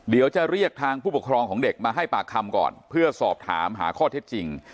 เดี๋ยวจะเรียกทางผู้ปกครองของเด็กมาให้ปากคำก่อนเพื่อสอบถามหาข้อเท็จจริง